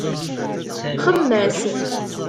Xemmem-as.